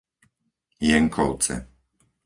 Jenkovce